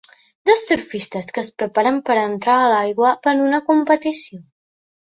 Dos surfistes que es preparen per entrar a l'aigua per a una competició.